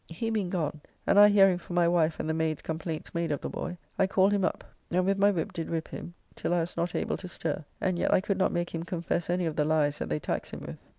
He being gone, and I hearing from my wife and the maids' complaints made of the boy, I called him up, and with my whip did whip him till I was not able to stir, and yet I could not make him confess any of the lies that they tax him with.